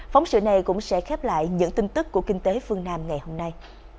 phóng sự này cũng sẽ khép lại những tin tức của kinh tế phương nam ngày hôm nay